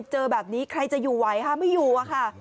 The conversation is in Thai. เจอแบบนี้ใครจะอยู่ไหวค่ะไม่อยู่อะค่ะ